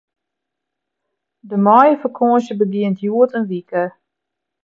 De maaiefakânsje begjint hjoed in wike.